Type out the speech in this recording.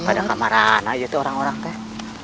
pada kamar rana aja orang orang kek